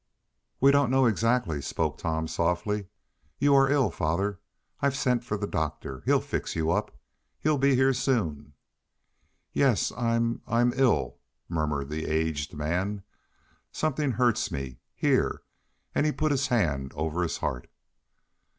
"We don't know, exactly," spoke Tom softly. "You are ill, father. I've sent for the doctor. He'll fix you up. He'll be here soon." "Yes, I'm I'm ill," murmured the aged man. "Something hurts me here," and he put his hand over his heart.